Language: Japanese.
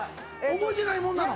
覚えてないもんなの？